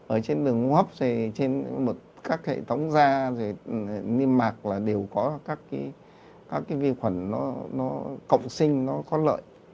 ở trên đường hô hấp trên các hệ thống da niêm mạc là đều có các cái vi khuẩn nó cộng sinh nó có lợi